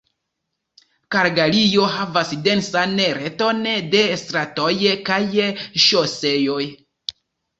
Kalgario havas densan reton de stratoj kaj ŝoseoj.